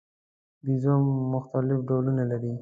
بیزو مختلف ډولونه لري.